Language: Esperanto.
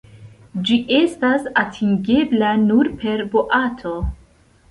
Ĝi estas atingebla nur per boato.